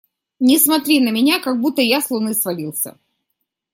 Не смотри на меня, как будто я с Луны свалился!